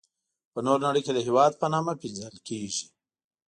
په نوره نړي کي د هیواد په نامه پيژندل کيږي.